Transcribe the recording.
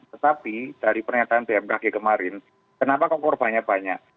tetapi dari pernyataan bmkg kemarin kenapa kok korbannya banyak